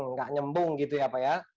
nggak nyembung gitu ya pak ya